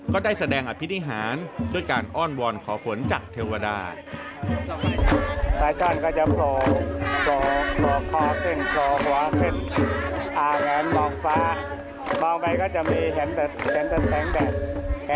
ก็ได้แสดงอภินิหารด้วยการอ้อนวอนขอฝนจากเทวดา